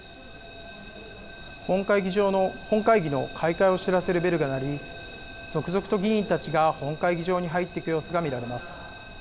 本会議場の本会議の開会を知らせるベルが鳴り、続々と議員たちが本会議場に入っていく様子が見られます。